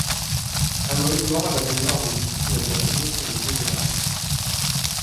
Un monument à la mémoire des victimes est érigé sur les lieux des massacres.